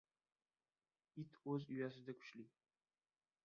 • It o‘z uyasida kuchli.